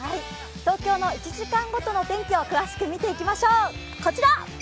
東京の１時間ごとの天気を詳しく見ていきましょう。